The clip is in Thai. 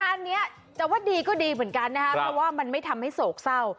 อันนี้จะว่าดีก็ดีเหมือนกันนะครับเพราะว่ามันไม่ทำให้โศกเศร้า